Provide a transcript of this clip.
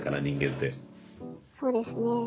そうですね。